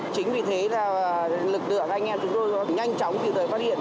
chính vì thế là lực lượng anh em chúng tôi nhanh chóng kịp thời phát hiện